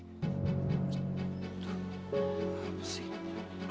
tuh apa sih